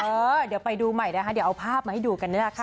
เออเดี๋ยวไปดูใหม่นะคะเดี๋ยวเอาภาพมาให้ดูกันนี่แหละค่ะ